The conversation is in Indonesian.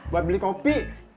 buat beli kopi